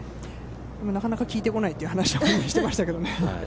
なかなか聞いてこないという話を本人はしてましたけどね。